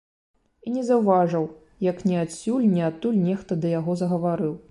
І не заўважыў, як ні адсюль, ні адтуль нехта да яго загаварыў.